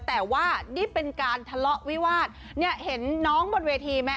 แต่ว่านี่เป็นการทะเลาะวิวาสเนี่ยเห็นน้องบนเวทีไหม